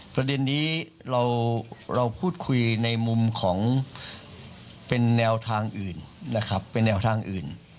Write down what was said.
ประเด็นนี้เราพูดคุยในมุมของเป็นแนวทางอื่นนะครับเป็นแนวทางอื่น